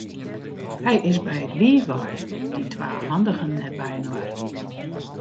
Hy is by it wiif wei, dy twa handigen net byinoar.